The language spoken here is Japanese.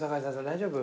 大丈夫？